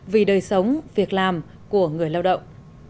vì đời sống việc làm của người lao động